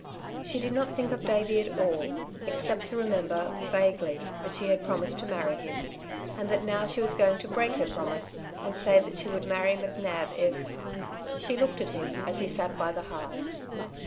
She did not think of Davey at all, except to remember, vaguely, that she had promised to marry him, and that now she was going to break her promise and say that she would marry McNab, if She looked at him as he sat by the hearth.